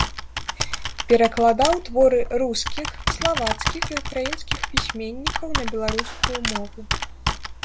Перакладаў творы рускіх, славацкіх, і ўкраінскіх пісьменнікаў на беларускую мову.